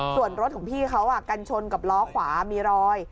ส่วนรถของพี่เขากันชนกับล้อขวามีรอย